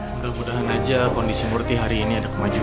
mudah mudahan aja kondisi murti hari ini ada kemajuan